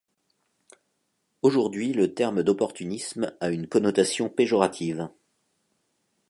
Aujourd'hui, le terme d'opportunisme a une connotation péjorative.